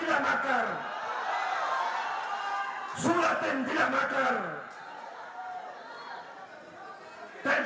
tiasno tidak makar